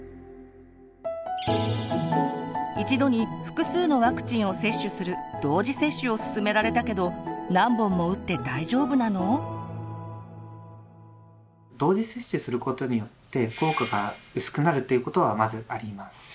一度に複数のワクチンを接種する同時接種することによって効果が薄くなるということはまずありません。